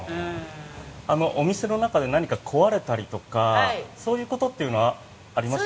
お店の中で何か壊れたりとかそういうことというのはありました？